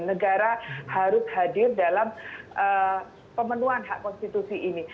negara harus hadir dalam pemenuhan hak konstitusi ini